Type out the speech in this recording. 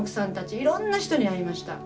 いろんな人に会いました。